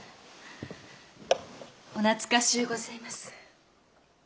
お懐かしゅうございます。